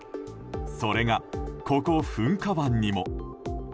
それが、ここ噴火湾にも。